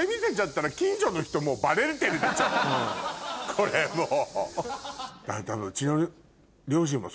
これもう。